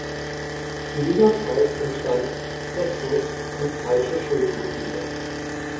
In dieser Zeit entstand "Sexus und falsche Schuldgefühle".